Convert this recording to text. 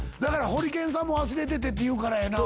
「ホリケンさんも忘れてて」って言うからやな。